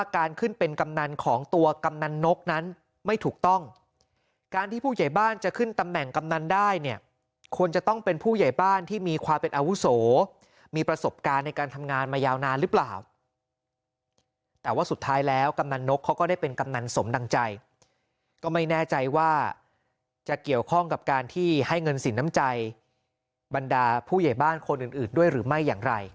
การขึ้นเป็นกำนันของตัวกำนันนกนั้นไม่ถูกต้องการที่ผู้ใหญ่บ้านจะขึ้นตำแหน่งกำนันได้เนี่ยควรจะต้องเป็นผู้ใหญ่บ้านที่มีความเป็นอาวุโสมีประสบการณ์ในการทำงานมายาวนานหรือเปล่าแต่ว่าสุดท้ายแล้วกำนันนกเขาก็ได้เป็นกำนันสมดังใจก็ไม่แน่ใจว่าจะเกี่ยวข้องกับการที่ให้เงินสินน้ำใจบรรดาผู้ใหญ่บ้านคนอื่นด้วยหรือไม่อย่างไร